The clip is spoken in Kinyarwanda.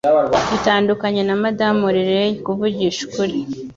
Bitandukanye na Madamu Riley, kuvugisha ukuri